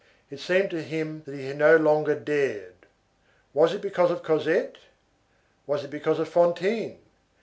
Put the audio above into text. It seemed to him that he no longer dared. Was it because of Cosette? Was it because of Fantine?